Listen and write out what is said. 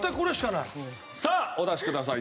さあお出しください。